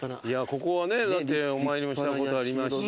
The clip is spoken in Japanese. ここはねお参りもしたことありますし。